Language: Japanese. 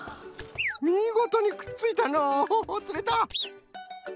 みごとにくっついたのう。つれた！